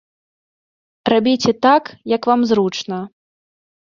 Рабіце так, як вам зручна.